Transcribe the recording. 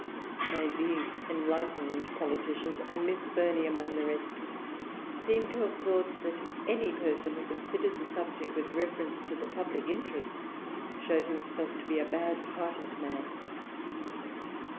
Nay, these enlightened politicians, and Miss Burney among the rest, seem to have thought that any person who considered the subject with reference to the public interest showed himself to be a bad hearted man.